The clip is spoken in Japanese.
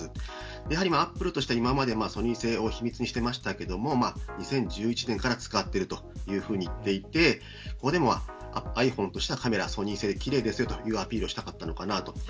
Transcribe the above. やはり、アップルとしては今までソニー製を秘密にしてましたけれども２０１１年から使っているというふうに言っていてここでもｉＰｈｏｎｅとしてはカメラｍソニー製奇麗ですよというアピールをしたかったのかなと。